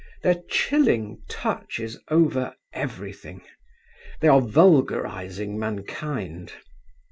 Their chilling touch is over everything. They are vulgarising mankind.